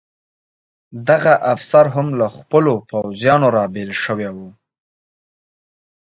دغه افسر هم له خپلو پوځیانو را بېل شوی و.